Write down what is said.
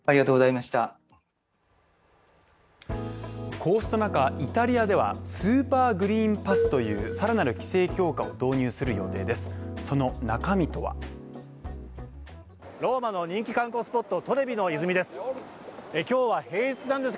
こうした中、イタリアではスーパーグリーンパスというさらなる規制強化を導入する予定です。